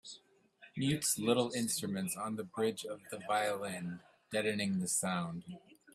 Mutes little instruments on the bridge of the violin, deadening the sound